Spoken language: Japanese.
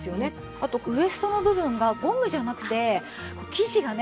あとこのウエストの部分がゴムじゃなくて生地がね